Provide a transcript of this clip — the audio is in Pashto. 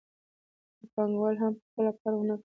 که پانګوال هم په خپله کار ونه کړي